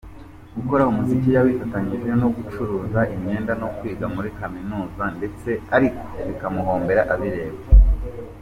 Gukora umuziki yabifatanyije no gucuruza imyenda no kwiga muri kaminuza ndetse ariko bimuhombera abireba.